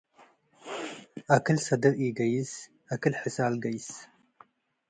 አክል ሰድር ኢገይስ አክል ሕሳል ገይስ።